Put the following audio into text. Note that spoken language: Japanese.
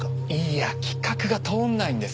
いや企画が通んないんですよ。